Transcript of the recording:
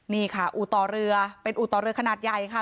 นี่ค่ะอู่ต่อเรือเป็นอู่ต่อเรือขนาดใหญ่ค่ะ